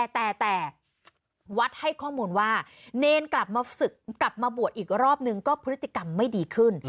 แต่วัดให้ข้อมูลว่าเนรกลับมาฝึกกลับมาบวชอีกรอบนึงก็พฤติกรรมไม่ดีขึ้น